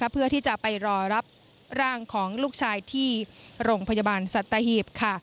เพื่อที่จะไปรอรับร่างของลูกชายที่โรงพยาบาลสัตหีบ